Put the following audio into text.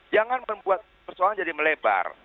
jangan membuat persoalan jadi melebar